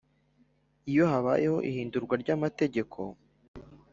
iyo habayeho ihindurwa ry’amategeko,